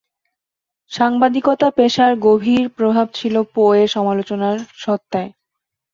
সাংবাদিকতা পেশার গভীর প্রভাব ছিল পো-এর সমালোচনা-সত্তায়।